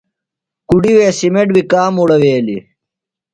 کُڈیۡ وے سِمیٹ بیۡ کام اُوڑویلیۡ۔